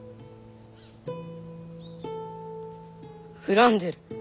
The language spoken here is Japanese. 恨んでる。